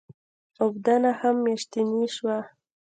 د اوبدنه هم ماشیني شوه.